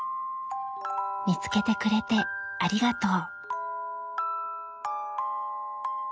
「みつけてくれてありがとう」。